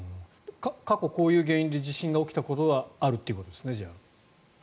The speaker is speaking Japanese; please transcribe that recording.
過去、こういう原因で地震が起きたことはあるということですね。